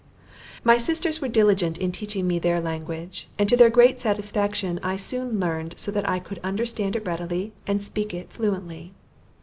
My sisters were diligent in teaching me their language; and to their great satisfaction I soon learned so that I could understand it readily, and speak it fluently.